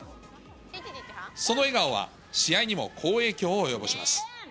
その笑顔は、試合にも好影響を及ぼします。